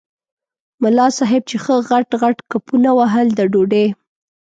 ملا صاحب چې ښه غټ غټ کپونه وهل د ډوډۍ.